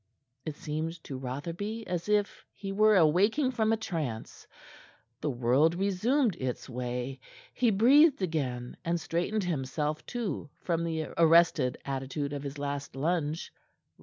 It seemed to Rotherby as if he were awaking from a trance. The world resumed its way. He breathed again, and straightened himself, too, from the arrested attitude of his last lunge.